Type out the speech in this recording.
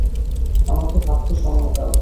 আমাকে ভাবতে সময় দাও।